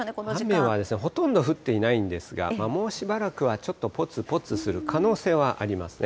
雨はほとんど降っていないんですが、もうしばらくはちょっとぽつぽつする可能性はありますね。